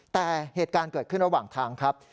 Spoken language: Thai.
แต่เหตุการณ์เกิดขึ้นระหว่างทางครับ